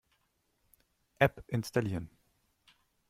App installieren.